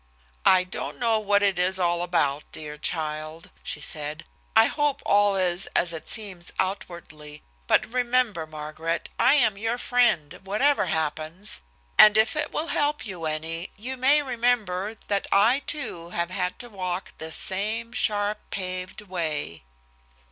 "I don't know what it is all about, dear child," she said. "I hope all is as it seems outwardly. But remember, Margaret, I am your friend, whatever happens, and if it will help you any, you may remember that I, too, have had to walk this same sharp paved way."